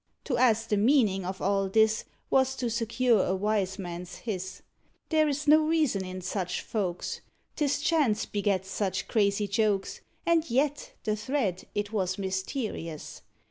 To ask the meaning of all this Was to secure a wise man's hiss; There is no reason in such folks. 'Tis chance begets such crazy jokes, And yet the thread it was mysterious.